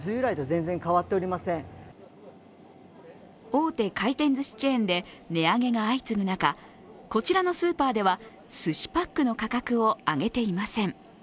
大手回転ずしチェーンで値上げが相次ぐ中、こちらのスーパーではすしパックの価格を上げていません。